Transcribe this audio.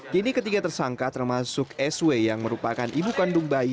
kini ketiga tersangka termasuk sw yang merupakan ibu kandung bayi